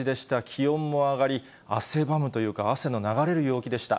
気温も上がり、汗ばむというか、汗の流れる陽気でした。